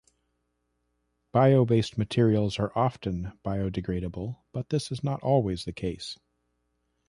Bio-based materials are often biodegradable, but this is not always the case.